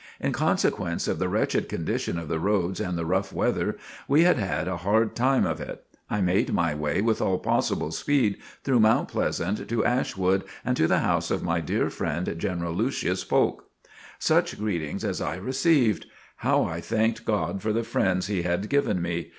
In consequence of the wretched condition of the roads and the rough weather, we had had a hard time of it. I made my way with all possible speed, through Mount Pleasant to Ashwood and to the house of my dear friend, General Lucius Polk. Such greetings as I received! How I thanked God for the friends He had given me!